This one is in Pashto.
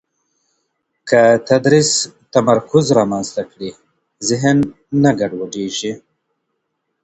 که تدریس تمرکز رامنځته کړي، ذهن نه ګډوډېږي.